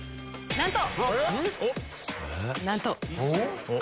なんと。